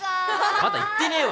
まだ言ってねえわ！